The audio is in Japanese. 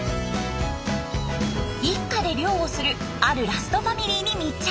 一家で漁をするあるラストファミリーに密着。